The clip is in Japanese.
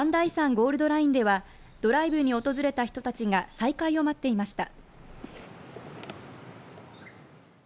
ゴールドラインではドライブに訪れた人たちが再開を待っていました。